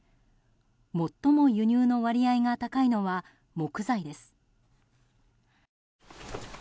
最も輸入の割合が高いのは木材です。